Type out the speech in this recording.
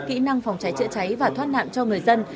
kỹ năng phòng cháy chữa cháy và thoát nạn cho người dân